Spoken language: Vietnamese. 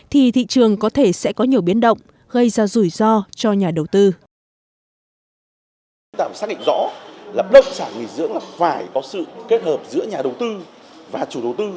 thì thị trường có thể sẽ có nhiều biến động gây ra rủi ro cho nhà đầu tư